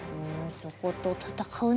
そこと戦うのは？